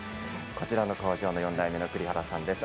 こちらの工場の４代目の栗原さんです。